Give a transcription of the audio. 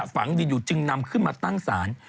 ฝังดินอยู่จึงนำขึ้นมาตั้งศาล